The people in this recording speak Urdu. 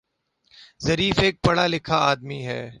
ظریف ایک پڑھا لکھا آدمی ہے